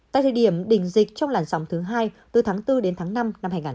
tại thời điểm đỉnh dịch trong làn sóng thứ hai từ tháng bốn đến tháng năm năm hai nghìn hai mươi bốn